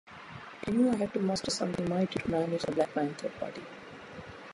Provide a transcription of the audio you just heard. I knew I had to muster something mighty to manage the Black Panther Party.